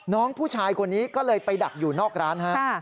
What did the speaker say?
น้องผู้ชายคนนี้ก็เลยไปดักอยู่นอกร้านฮะ